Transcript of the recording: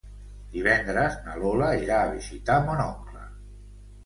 Divendres na Lola irà a visitar mon oncle.